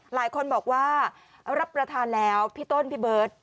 หลายคนบอกว่ารับประทานแล้วพี่ต้นพี่เบิร์ต